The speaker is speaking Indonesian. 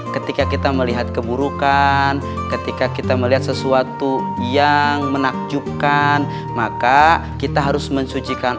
ketika kita melihat keburukan ketika kita melihat sesuatu yang menakjubkan maka kita harus mensucikan